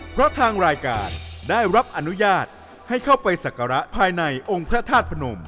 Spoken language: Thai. เพราะทางรายการได้รับอนุญาตให้เข้าไปสักการะภายในองค์พระธาตุพนม